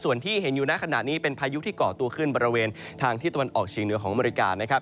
ส่วนที่เห็นอยู่ในขณะนี้เป็นพายุที่เกาะตัวขึ้นบริเวณทางที่ตะวันออกเฉียงเหนือของอเมริกานะครับ